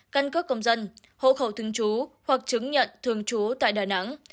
căn cước công dân hộ khẩu thương chú hoặc chứng nhận thương chú tại đà nẵng